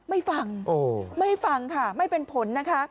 ไม่ฟังไม่ฟังค่ะไม่เป็นผลนะคะ